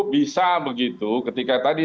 bisa begitu ketika tadi